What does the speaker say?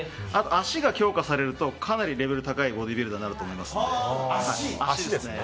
足が強化されるとかなりレベルの高いボディービルダーになると思います。